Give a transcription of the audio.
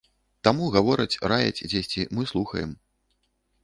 Таму гавораць, раяць дзесьці, мы слухаем.